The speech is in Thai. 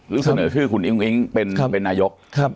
หรือเสนอชื่อคุณอิงเป็นนายก